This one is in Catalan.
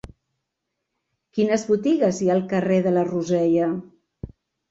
Quines botigues hi ha al carrer de la Rosella?